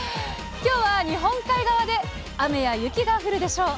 きょうは日本海側で雨や雪が降るでしょう。